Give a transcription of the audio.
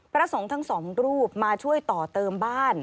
พระสงฆ์ทั้งสองรูปมาช่วยต่อเติมบ้าน